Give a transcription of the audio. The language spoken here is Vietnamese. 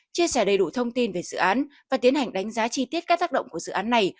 chia sẻ đầy đủ thông tin về dự án và tiến hành đánh giá chi tiết các tác động của dự án này